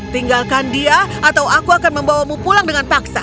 tinggalkan dia atau aku akan membawamu pulang dengan paksa